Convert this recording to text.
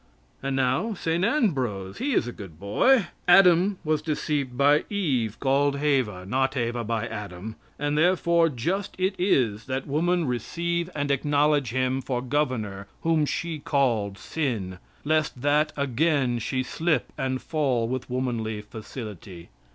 And now, St. Ambrose, he is a good boy. "Adam was deceived by Eve called Heva and not Heva by Adam, and therefore just it is that woman receive and acknowledge him for governor whom she called sin, lest that again she slip and fall with womanly facility.